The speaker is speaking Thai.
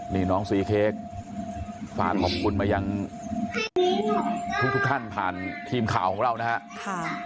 นี่น้องซีเค้กฝากขอบคุณมายังทุกท่านผ่านทีมข่าวของเรานะครับ